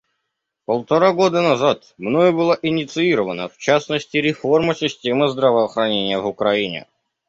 Полтора года назад мною была инициирована, в частности, реформа системы здравоохранения в Украине.